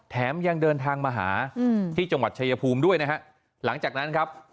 แถมยังเดินทางมาหาที่จังหวัดชายภูมิด้วยนะฮะหลังจากนั้นครับ